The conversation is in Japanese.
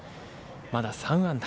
まだ３安打。